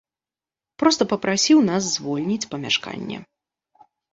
Проста папрасіў нас звольніць памяшканне.